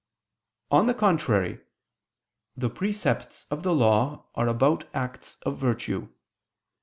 On the contrary, The precepts of the Law are about acts of virtue.